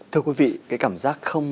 thưa quý vị cái cảm giác